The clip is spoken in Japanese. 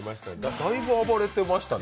だいぶ暴れてましたね。